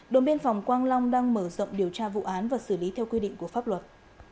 đồn biên phòng quang long đang mở rộng điều tra vụ án và xử lý theo quy định của pháp luật